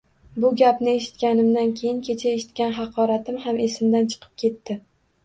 Bu gapni eshitganimdan keyin kecha eshitgan haqoratim ham esimdan chiqib ketdi